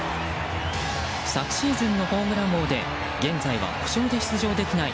昨シーズンのホームラン王で現在は故障で出場できない